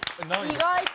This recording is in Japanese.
意外と。